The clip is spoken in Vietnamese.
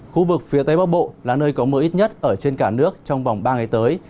khu vực phía tây bắc bộ là nơi có mưa ít nhất ở trên cả nước trong vòng ba ngày tới